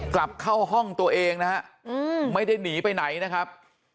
กลับเข้าห้องตัวเองนะฮะไม่ได้หนีไปไหนนะครับ